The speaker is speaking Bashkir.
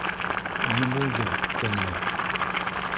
Ни булды, Күкәнәй?